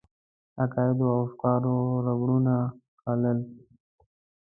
عقایدو او افکارو ربړونه ګالل.